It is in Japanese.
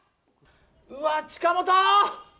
うわっ、近本！